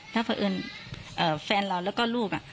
ถ้าเผลอินแฟนแล้วแล้วก็ลูก